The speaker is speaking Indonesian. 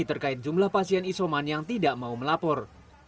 terkait jumlah pasien isoman yang tidak mau melapor